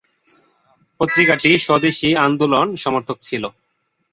পত্রিকাটি স্বদেশী আন্দোলন সমর্থক ছিল।